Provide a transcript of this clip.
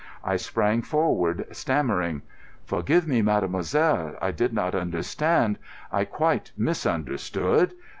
I sprang forward, stammering. "Forgive me, mademoiselle, I did not understand—I quite misunderstood.